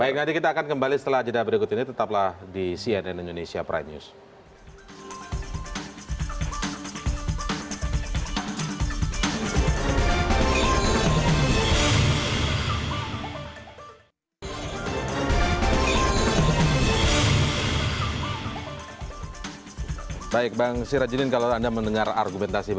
baik nanti kita akan kembali setelah jeda berikut ini tetaplah di cnn indonesia prime news